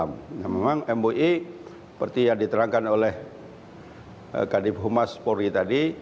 nah memang mui seperti yang diterangkan oleh kadif humas polri tadi